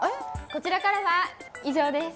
こちらからは以上です。